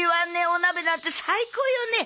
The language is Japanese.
お鍋なんて最高よね。